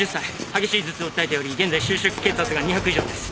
激しい頭痛を訴えており現在収縮期血圧が２００以上です。